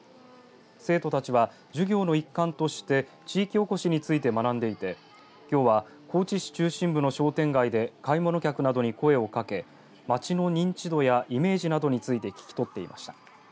生徒たちは授業の一環として地域おこしについて学んでいてきょうは高知市中心部の商店街で買い物客などに声をかけ町の認知度やイメージなどについて聞き取っていました。